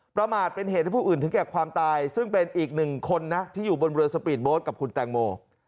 ประมาทเป็นเหตุให้ผู้อื่นถึงแก่ความตายซึ่งเป็นอีกหนึ่งคนนะที่อยู่บนเรือสปีดโบ๊ทกับคุณแตงโม